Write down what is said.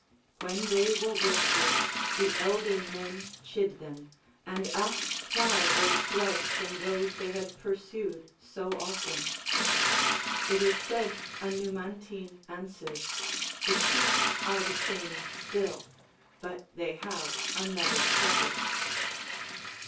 ΛVhen tliey were worsted, the elder men chid them, and asked why they fled from those they had pursued so often. It is said a Numantine answered, The sheep are the same still, but they have another shep herd.